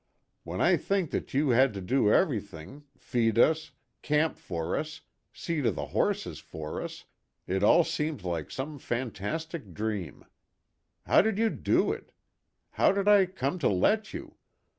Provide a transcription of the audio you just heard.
When I think that you had to do everything, feed us, camp for us, see to the horses for us, it all seems like some fantastic dream. How did you do it? How did I come to let you?